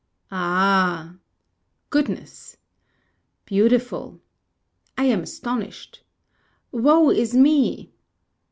Ah! Goodness! Beautiful! I am astonished! Woe is me!"